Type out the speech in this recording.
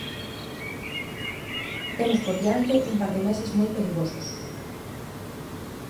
Temos por diante un par de meses moi perigosos.